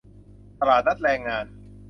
ตลาดนัดแรงงาน